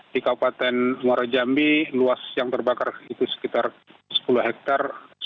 di kabupaten muara jambi luas yang terbakar itu sekitar sepuluh hektare